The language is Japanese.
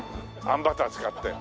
あんバター使って。